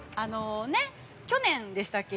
去年でしたっけ